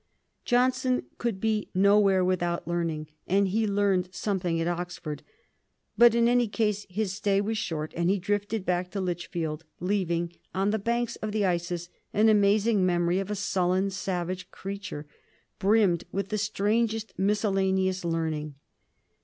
Johnson could be nowhere without learning, and he learned something at Oxford; but in any case his stay was short, and he drifted back to Lichfield, leaving on the banks of the Isis an amazing memory of a sullen savage creature, brimmed with the strangest miscellaneous learning.